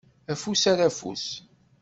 Afus ar ufus.